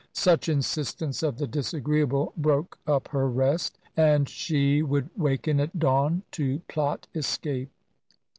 Such insistence of the disagreeable broke up her rest, and she would waken at dawn, to plot escape.